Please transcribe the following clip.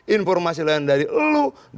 informasi lain dari lo